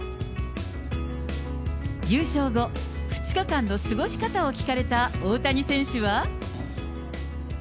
優勝後、２日間の過ごし方を聞かれた大谷選手は。